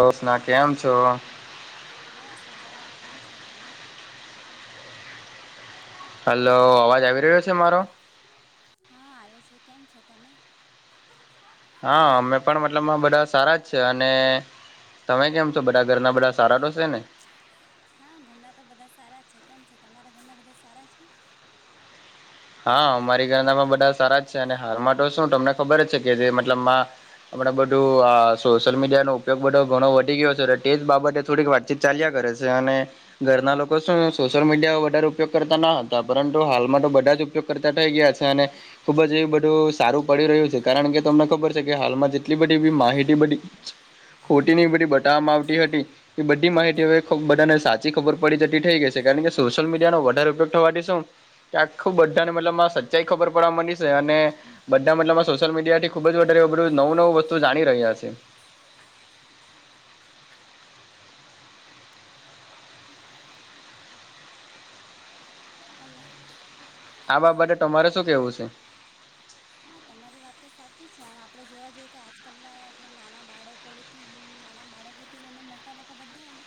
Hello. બસ મજામાં. કેમ છો તમે? હલો. અવાજ આવી રહ્યો છે મારો. હા આવે છે. કેમ છો તમે? હા અમે પણ મતલબમાં બધા સારા જ છે. અને તમે કેમ છો? બધા ઘરના બધા સારા તો સે ને? હા ઘરના તો બધા સારા છે. કેમ છે? તમારા ઘરના બધા સારા છે? હા. અમારી ઘરના પણ બધા સારા જ છે. અને હાલમાં તો શું તમને ખબર જ છે કે જે મતલબમાં આપણે બધું આ સોશિયલ મીડિયાનો ઉપયોગ બધો ઘણો વધી ગયો છે તો તે જ બાબતે થોડીક વાતચીત ચાલ્યા કરે છે. અને ઘરના લોકો શું સોશિયલ મીડિયા વધારે ઉપયોગ કરતા ન હતા, પરંતુ હાલમાં તો બધા જ ઉ પયોગ કરતા થઈ ગયા છે. અને ખુબ જ એવું બધું સારું પડી રહ્યું છે, કારણ કે તમને ખબર છે કે હાલમાં જેટલી બધી ભી માહિતી બધી ખોટી ને એવી બધી બટાવવામાં આવતી હતી. એ બધી માહિતી હવે ખૂબ બધાને સાચી ખબર પડી જતી થઈ ગઈ સે. કારણ કે સોશિયલ મીડિયાનો વધારે ઉપયોગ થવાથી શું કે આખું બધા ને મતલબમાં સચ્ચાઈ ખબર પડવા મંડી સે. અને બધા મટલબમાં સોશિયલ મીડિયાથી ખુબ વધારે બધું નવું-નવું વસ્તુ જાણી રહ્યા છે. હાલો. આ બાબતે તમારે સું કેવું સે? હ. તમારી વાત તો સાચી છે. આમ આપણે જોવા જઈએ, તો આજકાલના નાના બાળકો લે થી નાના બાળકોથી લઈને મોટા લોકો બધા જ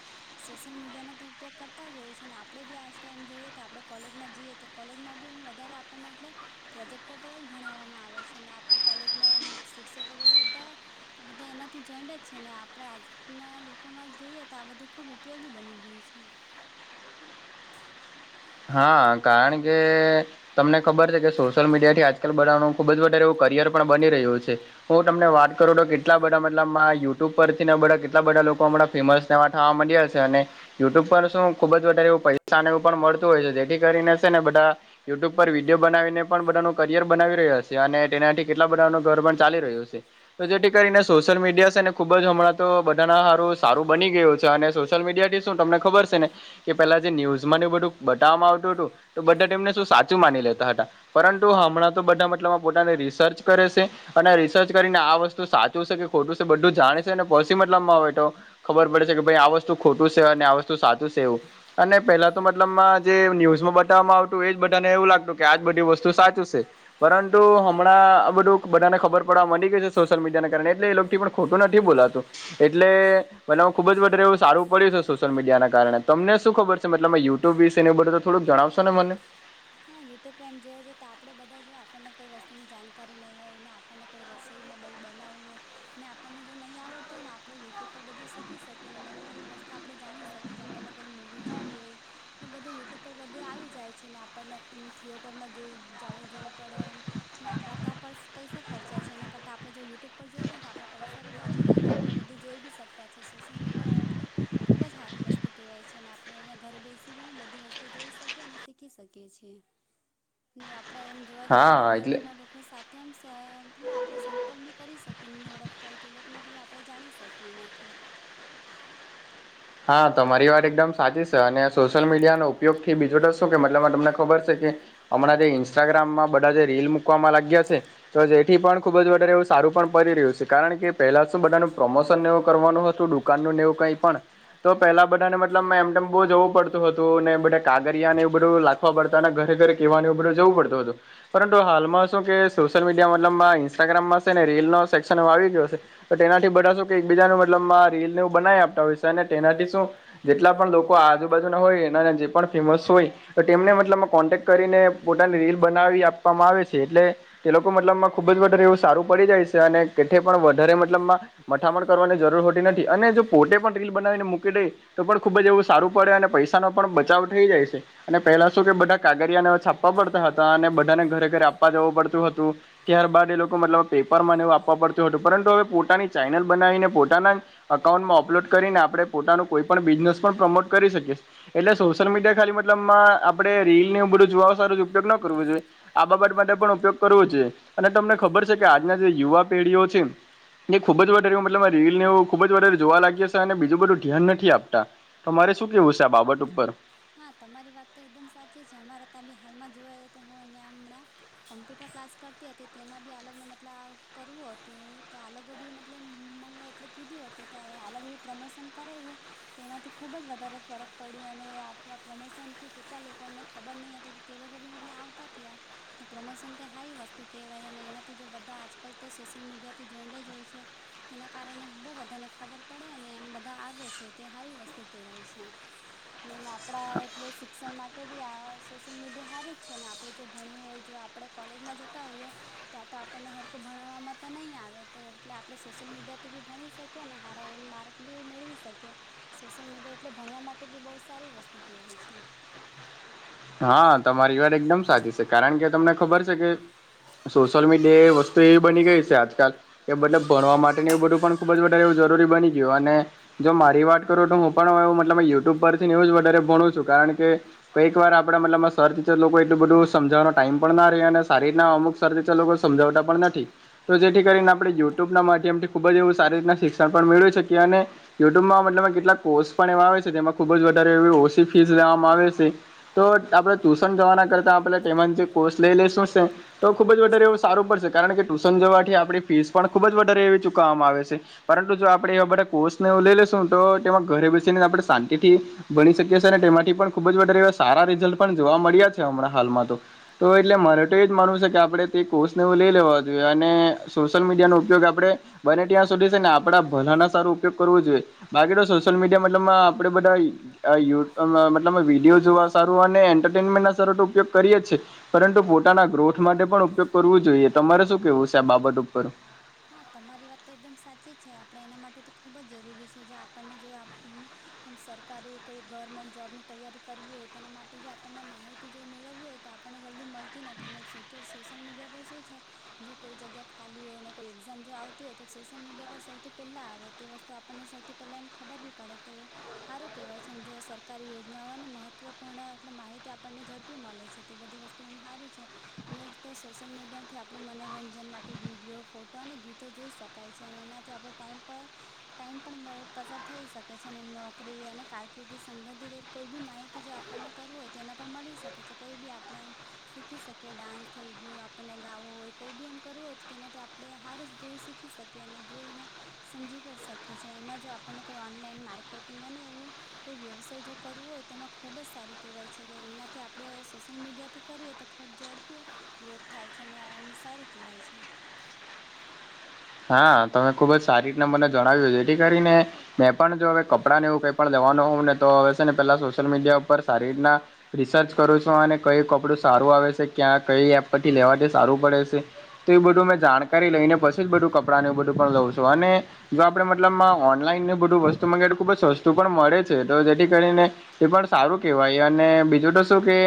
સોસલ મીડિયાનો તો ઉપયોગ કરતા જ હોય છે, ને આપ આપણે બી આજકા એમ જોઈએ, તો આપડણે કોલેજમાં જઈએ તો કોલેજમાં બી એમ વધારે આપણને એટલે. પ્રોજેક્ટ પર જ ભણાવવામાં આવે છે ને, ને આપણે કોલેજમાં એમ શિક્ષકોન બધા બધા એનાથી જોઈન્ટ જ છે ને આપડે આ ના લોકો માં જ જોઈએ, તો આ બધું ખુબ ઉપયોગી બની ગીયું છે. હા, કારણ કે તમને ખબર છે, કે સોસયલ મીડિયા થી આજકાલ બડાનું ખુબ જ વધારે એવું કરિયર પણ બની રયું છે. હું તમને વાત કરુ, તો કેટલા બધા મટલબ યુટ્યુબ પરથી ન બધા કેટલા બધા લોકો હમણા ફેમસ તવા થવા મડ્યા સે અને યુટ્યુબ પર શું ખુબ જ વધારે એવું પઈસા ને એવું પણ મળ તુ ઓય સે, જેથી કરીને સે ને બધા યુટ્યુબ પર વિડીયો બનાવીને પણ બધા નો કરિયર બનાવી રહ્યા છે અને તેનાથી કેટલા બધાનું ઘર પણ ચાલી રહ્યું છે. તો જેઠી કરીને સોસયલ મીડિયા સે ને ખુબ જ હમણાં તો બધાના હારુ સારુ બની ગીયું સે અને સોસયલ મીડિયા થી તમને ખબર સે ને કે પેલા જે ન્યુઝ માં બધું બટાવામાં આવતુ અટુ તો બઢા એમને સું સાચું માની લેતા હતા. પરંટુ હમણાં તો બધા મટલબમાં પોતાને રિસર્ચ કરે સે. અને રિસર્ચ કરીને આ વસ્તુ સાચુ સે કે ખોટું સે બધું જાણે સે, ને પસી મટલબમાં અવે તો ખબર પડે સે કે ભઈ આ વસ્તુ ખોટું સે અને આ વસ્તુ સાચું સે એવું અને પેલા તો લમ્મા જે ન્યુઝ માં બટાવામાં ટુ એજ બધાને એવુ લાગતું કે આજ બધી વસ્તુ સાચું સે, પરંતુ હમણાં આ બઢુ બડાને ખબર પડવા મડી ગઈ સે સોસયલ મીડિયા ના કારણે એટલે એ લોકો થી પણ ખોટું નથી બોલાતું. એટલે બનાવુ ખુબ વધારે એવુ સારુ પડ્યુ સે સોસયલ મિડિયા ન કારણે તમને શું ખબર છે મતલ યુ ટ્યુબ વીસે ને એવુ બઢુ ને ત થોડુંક જણાવસો ને મને. હા યુટ્યુબ પ એમ જોવા જા, તો આપડે બધા જો આપને કોઈ વસ્તુની જાણકારી નઈ ઓય ને આપને કંઈ રસોઈમાં બય બનાવું ઓય. ને આપને જો નઈ આવડતુ ઓય ને આપણે યુટ્યુબ પર બધું શીખી શકીએ અને નવી નવી વસ્તુ આપણે જાણી શકે આપને કોઈ મૂવી જોવી ઓય ને બધુ યુટ્યુબ પર બધે આવી જાય છે ને આ પને થિયેટરમાં જોવુ જાવુ જોવુ પડે. ને આપડા ત્યાં પર્સ પઈસા ખર્ચાય છે, એના કરતા આપણે જો યુટ્યુબ પર જોઈ લે ન તો આપણા પઈસા બી બચી જાય ને આપડણે બધુ જોઈ બી શકતા છે, સોશિયલ મીડિયા એટલે ખુબ જ હારુ વસ્તુ કેવાય છે અને આપણે અઈયાં ઘરે બેસી બે બધુ વસ્તુ જોઈ સકીએ અને સીખી સકી કીએ છે. ને આપડે એમ જોવા જઈએ, તો દુનિયાભરના લોકો ખુ સાથે એમ સ એટલે આપણે સંપર્ક બી કરી સકીએ નહીં ઓળખતા હોય તો એ લોકોને બી આપ આપડણે જાણી સકીએ એનાથી. હા તમારી વાત એકદમ સાચી સે અને સોસિયલ મીડિયાનો ઉપયોગથી બીજો તો શું કે મટલબમાં તમને ખબર છે, કે અમણાં જે ઇન્સ્ટાગ્રામમાં બધા જે રીલ મુકવામાં લાગ્યા છે. તો જેથી પણ ખુબ જ વધારે એવુ સારુ પણ પરી રહ્યું છે, કારણ કે પેલા શું બધાનું પ્રમોશન નેવું કરવાનું હતું દુ કાનનું ને કંઈ પણ પેલા બધાને મતલબ એમ તેમ બઉ જવું પડતું હતું, ને બધા કાગરિયા ને એવ બધું લા હ પડતાના ઘરે ઘરે કેવા ને એવું બઢુ જવું પડતું હતું, પરંતુ હાલમાં સુ કે સોસયલ મીડિયા મતલબમા એં ન્ટાગ્રામમાં સે ને રીલ નો સેક્સન ને એવો આવી ગીયો સે, તો તેનાથી બઢા સું કે એકબીજા મતલબ રીલને એવું બનાવી આપતા હોય છે ને તેનાથી શું જેટલા પણ લોકો આજુબાજુ ના હોય જે પણ ફેમસ હોય તેમને મતલબ કોન્ટેક્ટ કરીને પોતાની રીલ બનાવી આપવામાં આવે છે એટલે તે લોકો મતલબમાં ખુબ જ વધારે એવું સારું પડી જાય છે અને કેઠ પણ વધારે મતલબમાં મઠામણ કરવાની જરૂર હોતી નથી અને જો પોતે પણ રીલ બનાવીને મૂકી દે તો પણ ખુબ જ એવું સારું પડે અને પૈસા ન પણ બચાવ થઈ જાય છે અને પેલા શું કે બધા કાગળિયાને છા આપવા પડતા હતા અને બધાને ઘરે ઘરે આપવા જવું પડતું હતું ત્યારબાદ એ લોકો મતલબ પેપર મને એવું આપવા પડતું હતું પરંતુ હવે પોતાની ચેનલ બનાવીને પોતાના અકાઉન્ટમાં અપલોડ કરીને આપ પોતાનું કોઈ પણ બિઝનેસ પણ પ્રમોટ કરી શકી એટલે સોશિયલ મીડિયા ખાલી મતલબમાં આપડે રીલનેવ બધું જોવા સારું ઉપયોગ ન કરવો જોઈએ આ બાબત માટે પણ ઉપયોગ કરવો છે અને તમને ખબર છે કે આજના જે યુવા પેઢીઓ છે. એ ખૂબજ વધારે એ મતલ રીલને એ ખુબજ વધારે જોવા લાગી છે. અને બીજું બધું ધ્યાન નથી આપતા તમારે શું કેવું છે આ બાબત ઉપર હા તમારી વાત તો એકદમ સાચી છે અમારે ત્યાં બી હાલમાં જો તો હ અહિયાં હમણાં કોમ્પ્યુટર ક્લાસ કરતી હતી તેના બી અલગને મતલબ કરવું હતું તો અલગ બી મતલબ મંગ એટલે કીધું હતું તો એ આલગબી પ્રમોશન કરાવું તે એનાથી ખૂબ જ વધારે ફરક પડ્યો અને આપણા પ્રમોશનથી કેટલા લોકોને ખબર નહીં હતી તે લોકો બી મતલબ આવતા તયા પ્રમોશન તે સારી વસ્તુ કહેવાય અને એનાથી જો બધા આજકાલ તો સોશિયલ મીડિયા થી જોઇન જ હોય છે. તેના કારણે બહુ બધાને ખબર પડે અને એ બધા આવે છે તે સારી વસ્તુ કેહેવાય છે. આપડા એટલે શિક્ષણ માટે બી આ સોશિલ મીડિયા સારુજ છે ને આપડે જો ભણવું હોય જો આપણે કોલેજમાં જતા હોઈએ ત્યાં તો આપણને હરખું ભણાવવામાં તો નહીં આવે તે એટલે આપણે સોશિયલ મીડિયાથી બી ભણી શકીએ અને હારા એન્ડ માર્ક મેળવી શકે સોશિયલ મીડિયા એટલે ભણવા માટે બી બહ સારી વસ્તુ કહેવાય છે. હા તમારી વાત એકદમ સાચી છે કારણ કે તમને ખબર છે સોશિયલ સોશિયલ મીડિયા એ વસ્તુ એવી બની ગઈ છે આજકાલ કે બતલબ ભણવા માટેનું એું બધું પણ ખુબ જ વધારે એવું જરૂરી બની ગયું અને મને જો મારી વાત કરું તો હું પણ એ મતલબ યુટ્યુબ પરથી ન્યૂઝ વધારે ભણું છું કારણ કે કઈક વાર આપણા મતલબમાં સર ટીચર લોકો એટલું બધું સમજાવવાનો ટાઈમ પણ ના રહે અને સારીીતના અમુક સર ટીચર લોકો સમજાવતા પણ નથી તો જેથી કરીને આપણે યુટ્યુબના માધ્યમથી ખૂબ જ એવું સારી રીતના શિક્ષણ પણ મેળવી શકીએ અને યુટ્યુબમાં મતલબ કેટલાક કોર્સ પણ એવા આવે છે તેમાં ખુબ જ વધારે એવી ઓસી ફીસ આવે છે. તો આપડણે ટ્યુશન જવાના કરતા આપણે તે જે કોર્સ લઈ લેશું છે તો ખુબ જ વધારે એવ સારું પડશે કારણ કે ટ્યુશન જવાથી આપણી ફીસ પણ ખૂબ જ વધારે એવી ચૂકવવામાં આવે છે પરંતુ જો આપણે એવા બધા કોર્સ લઈ લેશું તો તેમાં ઘરે બેસીને આપણે શાંતિથી બની શકીએી અને તેમાંથી પણ ખુબ જ વધારે રિઝલ્ટ પણ જોવા મળ્યા છે હણાં હાલમાં તો એટલે મરે તો એ જ માનવ છે કે આપણે તે કોર્ષ લઈ લેવા જોઈએ અને સોશિયલ મીડિયા નો ઉપયોગ આપણે બને ત્યાં સુધી છેને આપ ભલાના સાર ઉપયોગ કરવો જોઈએ બાકી તો સોશિયલ મીડિયા મતલબ આપડે બધા મતલબ વિડીયો જોવા સારું અને એન્ટરટેનમેન્ટ સારુ તો ઉપયોગ કરીએ જ છે. પરંતુ પોતાના ગ્રોથ માટે પણ ઉપયોગ કરવો જોઈએ તમારે શું કેવું છે આ બાબત ઉપર, હા તમારી વાત તો એકદમ સાચી છે આપણે એના માટે તો ખ ખૂબ જ જરૂરી છે જો આપણને જો આપણને એમ સરકારી કોઈ ગવર્મેન્ટ જોબની તૈયારી કરવી હોય તેના માટે આપણને માહિત માહિતી જો મેળવવી હોય તો આપણને જલ્દી મળતી નથી ને સોશ સોશિયલ મીડિયા પર શું છે. જો કોઈ જગ્યા ખાલી હોય ને કોઈ એક્ઝામ જો આવતી હોય તો સોશિયલ મીડિયા પર સૌથી પહેલા આવે તે વસ્તુ આપણને સૌથી પહેલાં એમ ખબર બી પડે તે હારું કહેવાય છે એમ જો સરકારી યોજનાઓને મહત્વપૂર્ણ એટલે માહિતી આપણને ઝડપી મલે છે. તે બધી વસ્ તું એમ હારું છે. ને એક તો સોશિયલ મીડિયા થી આપણું મનોરંજન માટે વિડીયો, ફોટો અને ગીતો જોઈ શક કાય છે અને એનાથી આપણું ટાઈમ પણ ટાઈમ પણ પસાર થઈ શકે છે. અને નોકરી અને કારકિર્દી સંબંધિત કોઈ બી માહિતી જો આપણને કરવું હોય તો એના પર મલી શકે છે. કંઈ બી આપણે એમ શીખી શકીએ. ડાન્સ થઈ ગયું, આપણને ગાવું હોય, કંઈ બી એમ કરવું હોય તો તેનાથી આપ પણે હારું જેવું શીખી શકીએ અને જોઈને સમજી પણ શકીએ છે. એમાં જો આપણને કોઈ ઓનલાઈન માર્કેટિંગ અને એવું કોઈ વ્યવસાય જો કરવો હોય તેમાં ખુબ જ સારું કહેવાય છે. તો એમનાથી આપણે સોશિયલ મીડિયા થી કરીએ તો ખૂબ ઝડપી ગ્રોથ થાય છે, ને એમ સારું કહેવાય છે. હા. તમે ખુબ જ સારી રીતના મને જણાવ્યું. જેથી કરીને મેં પણ જો હવે કપડાંને એવું કંઈ પણ લેવાનું હોઉ ને તો હવે સે ને પહેલા સોશિયલ મીડિયા ઉપર સારી રીતના રિસર્ચ કરું છું. અને કયું કપડું સારું આવે છે, ક્યાં કંઈ એપ પરથી લેવાથી સારું પડે સે તો એવું બધું મેં જાણકારી લઈને પછી જ બધું કપડાંનું એવ બધું પણ લઉં છ છું. અને જો આપણે મતલબમાં ઓનલાઈનને એવું બધું વસ્તુ [unintelligible] ખૂબ જ સસ્તું પણ મળે છે. તો જેથી કરીને તે પણ સારું કહેવાય. અને બીજું તો શું કે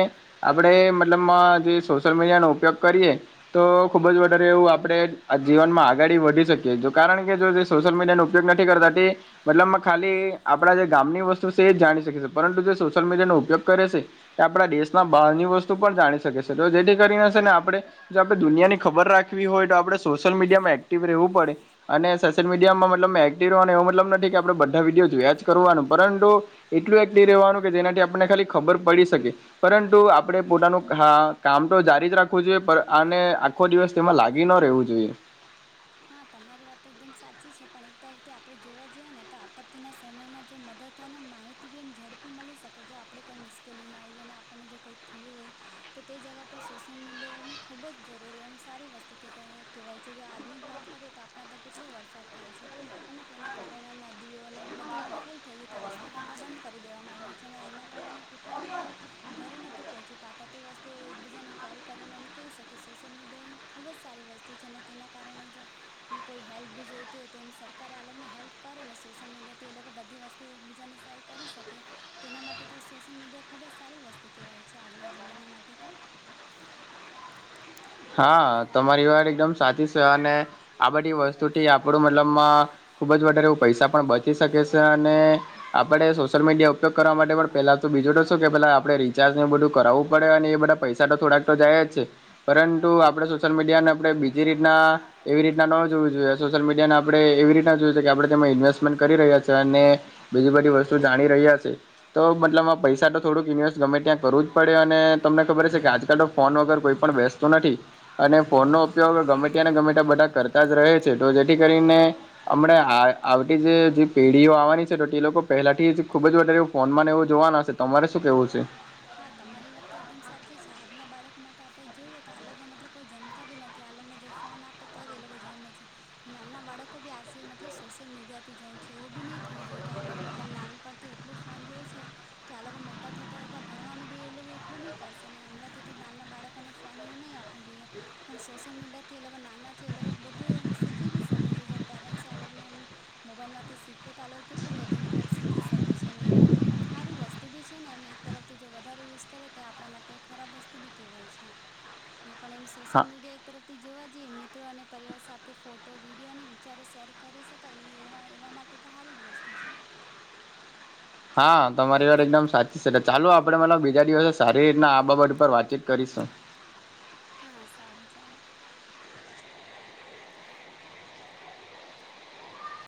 આપણે મતલબમાં જે સોશિયલ મીડિયાનો ઉપયોગ કરીએ, તો ખૂબ જ વધારે એવું આપણે જીવનમાં આગળી વધી શક કીએ. જો કારણ કે જો જે સોશિયલ મીડિયા નો ઉપયોગ નથી કરતા તે મતલબ ખાલી આપડા જે ગામની વસ્ તું સે એ જ જાણી શકે છે, પરંતુ જે સોશિયલ મીડિયા નો ઉપયોગ કરે છે તે આપણા દેશના બહારની વસ્તુ પણ જાણી શકે સ તો જેથી કરીને સે ને આપણે જો આપણે દુનિયાની ખબર રાખવી હોય તો આપણે સોશિયલ મીડિયામાં એક્ટિવ રહેવું પડે. અને સોશિયલ મીડિયામાં મતલબમાં મે એક્ટિવ રવને એવો મતલબ નથી કે આપણેે બધા વિડીયો જોયાં જ કરવાનું. પરંતુ એટલું એક્ટિવ રહેવાનું કે જેનાથી આપણને ખાલી ખબર પડી શકે. શપરંતુ આપણે પોતાનું હા કામ તો જારી જ રાખવું જોઈએ. પણ અને આખો દિવસ તેમાં લાગી ન રહેવું જોઈએ. હા તમારી વાત તો એકદમ સાચી છે. પણ એક તરફથી આપણે જોવા જઈએ ને તો આપત્તિના સમયમાં જો મદદ અને માહિત [unintelligible] ઝડપી મલી શકે જો આપણે કોઈ મુશ્કેલીમાં હોઈએ અને આપણને જો કંઈક થયું હોય તો તે જગા પર સોશિયલ મીડિયા એમ ખૂબ જ જરૂરી એમ સારી વસ્તુ [unintelligible] કહેવાય છે. જો આજની જ વાત કરીએ તો આપણા ત્યાં કેટલું વરસાદ થાય છે. અને તેના કારણે નદીઓને બધી ફૂલ થઈ ગયું તો રસ્તો બધા બંધ કરી દેવામાં આવ્યો છે. અને એના કારણે કેટલા લોકો એમ ઘરે નથી પહોંચી પાતા, તે વસ્તુ એકબીજાને કોલ કરીને એમ કહી શકે. સોશિયલ મીડિયા એમ ખૂબ જ સારી વસ્તુ છે. અને તેના કારણે જો એમ કોઈ હેલ્પ બી જોઈ તી હોય તો એમ સરકારે આ લોકને હેલ્પ કરે ને, સોશિયલ મીડિયાથી એ લોકો બધી વસ્તુ એકબીજાની શેર કરી શકે. તેના માટે તો સોશિયલ મીડિયા ખૂબ જ સારી વસ્તુ કહેવાય છે, આજના જમાના માટે તો. હા તમારી વાત એકદમ સાચી છે. અને આ બધી વસ્તુથી આપણું મતલબમાં ખૂબ જ વધારે એવું પૈસા પણ બચી શકે સે, અને આપણે સોશિયલ મીડિયા ઉ પયોગ કરવા માટે પણ પહેલા તો બીજું તો શું કહે, પહેલા આપણે રિચાર્જ ને એવું બધું કરાવવું પડે, અને ઈ બધા પૈસ ત્યાં તો થોડાક તો જાય જ છે. પરંતુ આપણે સોશિયલ મીડિયાને આપણે બીજી રીતના એવી રીતના નો જોવું જોઈએ. સોશિયલ મીડિયાને આપણે એવી રીતના જોઈ છે કે આપણે તેમાં ઇન્વેસ્ટમેન્ટ કરી રહ્યા છીએ. અને બીજી બધી વસ્તુ જાણી રહ્યા છે. તો મતલબમાં પૈસા તો થોડુંક ઇન્વેસ્ટ ગમે ત્યાં કરવું જ પડે. અને તમને ખબર જ છે કે આજકાલ તો ફોન વગર કોઈ પણ [unintelligible] તું નથી. અને ફોનનો ઉપયોગ ગમે ત્યાને ગમે ત બધા કરતા જ રહે છે તો જેથી કરીને અમણા આ આવતી જે પેઢીઓ આવવાની છે તો તે લોકો પહેલા થી જ ખુબ જ વધારે ફોન ને એવું જોવાનું છે. તમારે શું કેવું છે? હા તમારી વાત તો એકદમ સાચી છે આજના બાળકો માટે આપણે જોઈએ તો આ લોકો માં કોઈ જમતા બી નથી આ લોકોને જો ફોન આપે તો જ એ લોકો જમે છે. નાના બાળકો બી આજે મતલબ સોશિયલ મીડિયાથી જોઈન છે એવું બી નહીં થવું જોઈએ કે આ લોકો મતલબ નાનપણથી આટલું ફોન જોઈ છે. કે આ લોકો મોટા થતા હતા ભણવાનું બી એ લોકો એટલું નહી કરશે ને હમણાંથી તો ના ના બાળકોને ફોન એવું નહી આપવુ જોઈએ પણ સોશિયલ મીડિયા થી એ લોકો નાના છે એ લોકો બધું એમ શીખી બી શકે છે જો પેરેન્ટ્સ આ લોકોને એમ મોબાઈલમાંથી શીખવે તો આ લોકો કેટલું બધું મતલબ શીખી શકે છે ને સારી વસ્તુ બી છે ને એ એક તરફથી જો વધારે યુઝ કરે તો આપણા માટે ખરાબ વસ્તુ બી કેહેવાય છે. ને પણ એમ સોશિયલ મીડિયા એક તરફથી જોવા જઈએ મિત્રો અને પરિવાર સાથે ફોટો વિડીયો અને વિચારો શેર કરી શકાય એવું એવા એવા માટે તો સારી જ વસ્તુ છે. હા તમારી વાત એકદમ સાચી ચાલો આપડે મતલબ બીજા દિવસે સારી રીતના આ બાબત ઉપર વાતચીત કરીશું હા સારું ચાલો